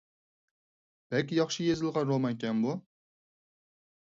بەك ياخشى يېزىلغان رومانكەن بۇ!